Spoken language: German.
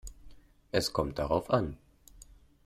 Es kommt darauf an.